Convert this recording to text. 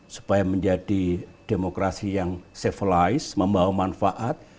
supaya menjadi demokrasi yang civilize membawa manfaat